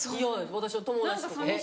私の友達とか。